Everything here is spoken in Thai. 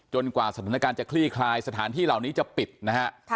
กว่าสถานการณ์จะคลี่คลายสถานที่เหล่านี้จะปิดนะฮะ